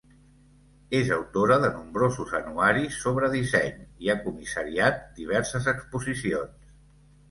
És autora de nombrosos anuaris sobre disseny i ha comissariat diverses exposicions.